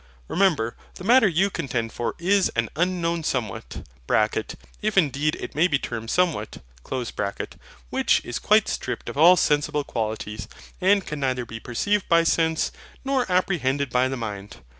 Remember, the Matter you contend for is an Unknown Somewhat (if indeed it may be termed SOMEWHAT), which is quite stripped of all sensible qualities, and can neither be perceived by sense, nor apprehended by the mind.